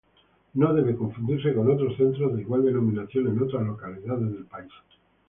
No debe confundirse con otros centros de igual denominación en otras localidades del país.